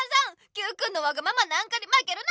Ｑくんのわがままなんかにまけるな！